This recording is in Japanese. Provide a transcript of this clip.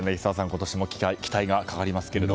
今年も期待がかかりますけどね。